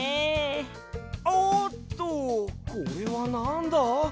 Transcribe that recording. おっとこれはなんだ？